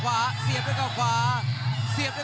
กรรมการเตือนทั้งคู่ครับ๖๖กิโลกรัม